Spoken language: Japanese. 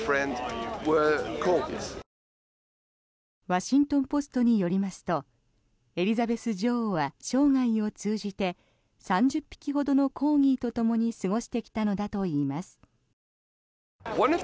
ワシントン・ポストによりますとエリザベス女王は生涯を通じて３０匹ほどのコーギーとともに過ごしてきたのだといいます。